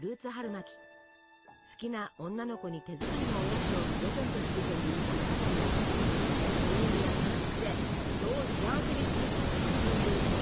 好きな女の子に手作りのおやつをプレゼントするという物語も「料理は楽しくて人を幸せにする」というメッセージの表れ。